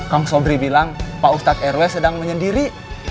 kang sobri bilang pak ustadz rw sedang menyendiri